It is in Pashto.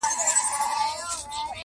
• لار دي را وښیه بیابانه پر ما ښه لګیږي -